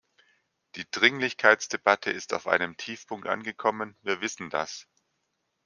Die Dringlichkeitsdebatte ist auf einem Tiefpunkt angekommen, wir wissen das.